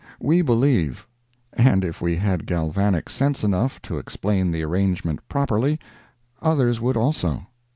We believe—and if we had galvanic sense enough to explain the arrangement properly, others would also.